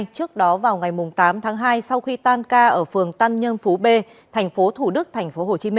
trước đó vào ngày tám tháng hai sau khi tan ca ở phường tăng nhân phú b tp thủ đức tp hcm